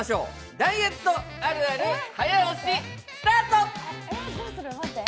ダイエットあるある、早押し、スタート！